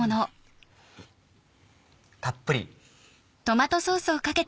たっぷり。